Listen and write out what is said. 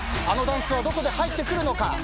あのダンスはどこで入ってくるのか。